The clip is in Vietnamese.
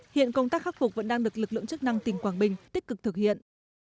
hiện công tác khắc phục vẫn đang được lực lượng chức năng tỉnh quảng bình tích cực thực hiện